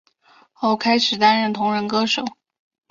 后开始担任同人歌手。